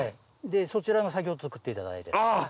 そちらが先ほど作っていただいた。